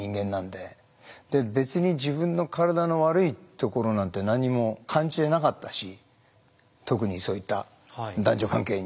で別に自分の体の悪いところなんて何も感じてなかったし特にそういった男女関係に関してもね。